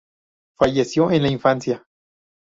Fallecido en la infancia.